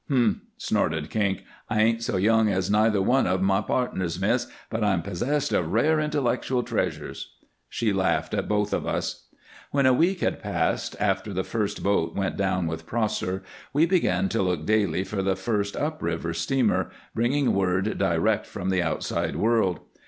"Humph!" snorted Kink. "I ain't so young as neither one of my pardners, miss, but I'm possessed of rare intellectual treasures." She laughed at both of us. When a week had passed after the first boat went down with Prosser, we began to look daily for the first up river steamer, bringing word direct from the outside world.